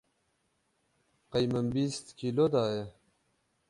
qey min bîst kîlo daye.